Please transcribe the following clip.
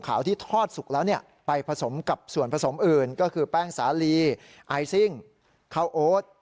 กับส่วนผสมอื่นก็คือแป้งสาลีไอซิ่งขาวโอ๊ต